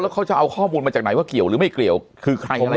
เขาจะเอาข้อมูลมาจากไหนว่าเกี่ยวหรือไม่เกี่ยวคือใครอะไร